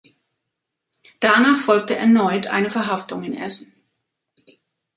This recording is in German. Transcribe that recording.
Danach folgte erneut eine Verhaftung in Essen.